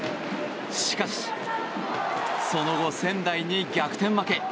しかし、その後仙台に逆転負け。